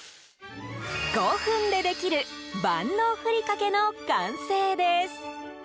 ５分でできる万能ふりかけの完成です。